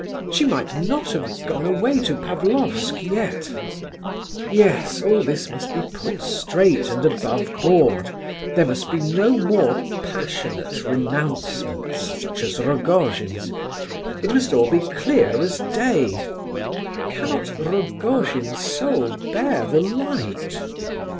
She might not have gone away to Pavlofsk yet. Yes, all this must be put straight and above board, there must be no more passionate renouncements, such as Rogojin's. It must all be clear as day. Cannot Rogojin's soul bear the light?